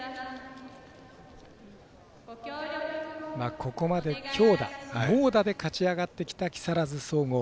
ここまで強打、猛打で勝ち上がってきた木更津総合。